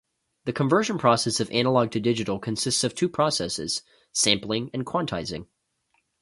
The conversion process of analog to digital consists of two processes: sampling and quantizing.